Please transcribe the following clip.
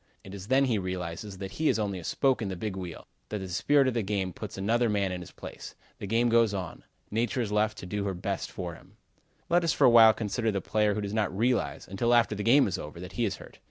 It is then he realizes that he is only a spoke in the big wheel; that the spirit of the game puts another man in his place. The game goes on. Nature is left to do her best for him. Let us for a while consider the player who does not realize, until after the game is over, that he is hurt.